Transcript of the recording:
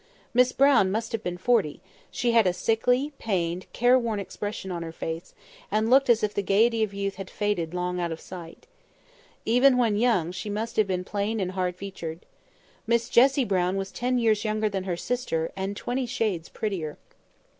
Miss Brown must have been forty; she had a sickly, pained, careworn expression on her face, and looked as if the gaiety of youth had long faded out of sight. Even when young she must have been plain and hard featured. Miss Jessie Brown was ten years younger than her sister, and twenty shades prettier.